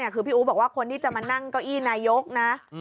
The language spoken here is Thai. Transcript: คือพี่อู๋บอกว่าคนที่จะมานั่งเก้าอี้นายกนะ